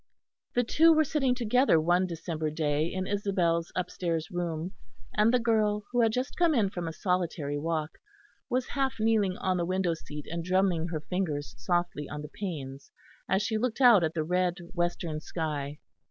The two were sitting together one December day in Isabel's upstairs room and the girl, who had just come in from a solitary walk, was half kneeling on the window seat and drumming her fingers softly on the panes as she looked out at the red western sky.